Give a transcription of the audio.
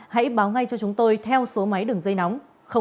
hãy báo ngay cho chúng tôi theo số máy đường dây nóng